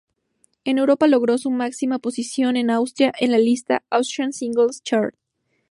En Europa logró su máxima posición en Austria, en la lista "Austrian Singles Chart".